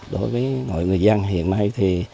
đối với người dân hiện nay